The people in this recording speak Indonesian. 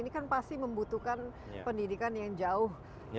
ini kan pasti membutuhkan pendidikan yang jauh lebih berbeda